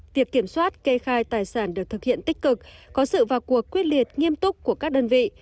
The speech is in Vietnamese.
việc kiểm soát kê khai tài sản được thực hiện tích cực có sự vào cuộc quyết liệt nghiêm túc của các đơn vị